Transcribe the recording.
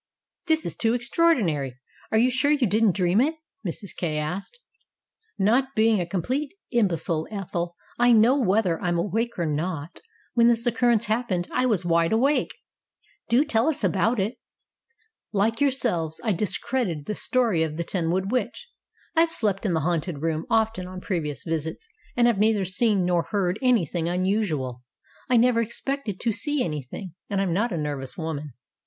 "This is too extraordinary. Are you sure you didn't dream it?" Mrs. Kay asked. "Not being a complete imbecile, Ethel, I know whether I am awake or not. When this occurrence happened I was wideawake." THE TENWOOD WITCH 247 "Do tell us about it." "Like yourselves, I discredited the story of the Tenwood Witch. I have slept in the haunted room often on previous visits, and have neither seen nor heard anything unusual. I never expected to see anything, and I am not a nervous woman.